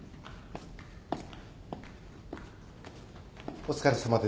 お疲れさまです。